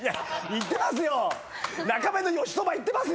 行ってます？